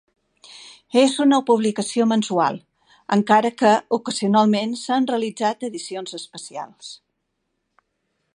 És una publicació mensual, encara que ocasionalment s'han realitzat edicions especials.